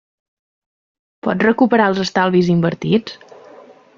Pots recuperar els estalvis invertits?